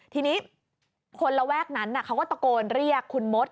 ทีนี้คนระแวกนั้นเขาก็ตะโกนเรียกคุณมด